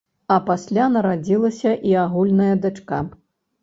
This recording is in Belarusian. А пасля нарадзілася і агульная дачка.